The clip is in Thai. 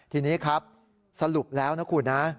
ทีนี้ครับสรุปแล้วนะคุณนะ